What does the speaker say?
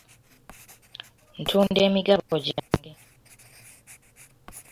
Ntunda emigabo gyange.